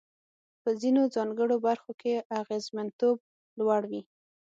په ځینو ځانګړو برخو کې اغېزمنتوب لوړ وي.